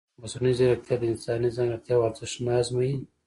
ایا مصنوعي ځیرکتیا د انساني ځانګړتیاوو ارزښت نه ازموي؟